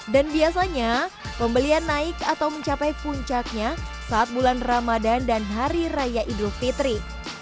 dan biasanya pembelian naik atau mencapai puncaknya saat bulan ramadan dan hari raya idul fitri